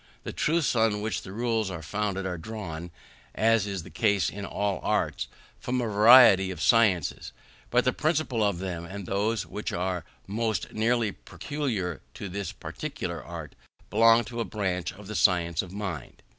The truths on which the rules are founded are drawn (as is the case in all arts) from a variety of sciences; but the principal of them, and those which are most nearly peculiar to this particular art, belong to a branch of the science of mind.